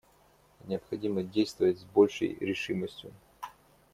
Необходимо действовать с большей решимостью.